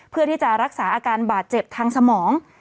เพื่อที่จะรักษาอาการบาดเจ็บทางสมอง